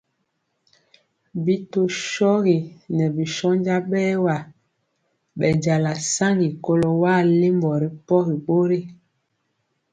Bi tɔ shogi ŋɛɛ bi shónja bɛɛwa bɛnjala saŋgi kɔlo wa alimbɔ ripɔgi bori.